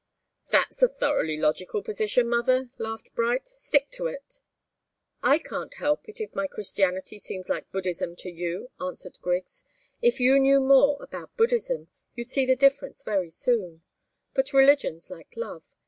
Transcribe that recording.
"That's a thoroughly logical position, mother!" laughed Bright. "Stick to it!" "I can't help it if my Christianity seems like Buddhism to you," answered Griggs. "If you knew more about Buddhism, you'd see the difference very soon. But religion's like love.